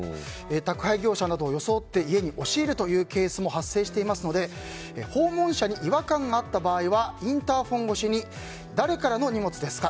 宅配業者などを装って家に押し入るというケースも発生していますので訪問者に違和感があった場合はインターホン越しに誰からの荷物ですか？